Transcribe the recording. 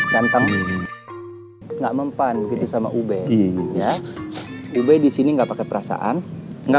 ganteng ini enggak mempan gitu sama ube ya ube disini enggak pakai perasaan enggak